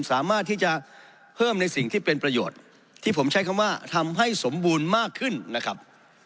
สามารถที่จะเพิ่มในสิ่งที่เป็นประโยชน์ที่ผมใช้คำว่าทำให้สมบูรณ์มากขึ้นนะครับ